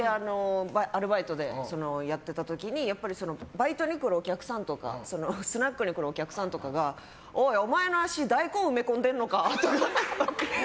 アルバイトでやってた時にバイトに来るお客さんとかスナックに来るお客さんとかがおい、お前の足大根埋め込んでるのか？とか。